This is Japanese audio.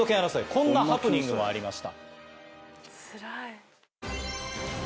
こんなハプニングもありました。